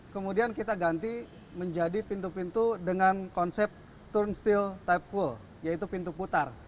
kemudian kita ganti menjadi pintu pintu dengan konsep turnstile typeful yaitu pintu putar